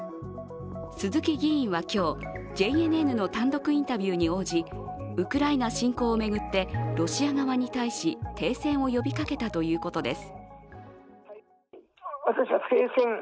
鈴木議員は今日、ＪＮＮの単独インタビューに応じウクライナ侵攻を巡ってロシア側に対し、停戦を呼びかけたということです。